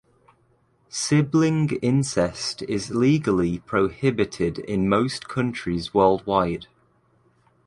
Sibling incest is legally prohibited in most countries worldwide.